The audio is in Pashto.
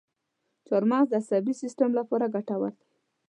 چارمغز د عصبي سیستم لپاره ګټور دی.